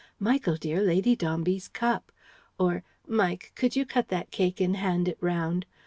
"Michael dear, Lady Dombey's cup!" Or: "Mike, could you cut that cake and hand it round?"